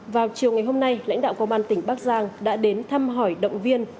vào chiều ngày hôm nay lãnh đạo công an tỉnh bắc giang đã đến thăm hỏi động viên